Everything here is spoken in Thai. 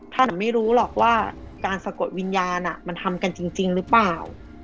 ไม่รู้หรอกว่าการสะกดวิญญาณมันทำกันจริงหรือเปล่า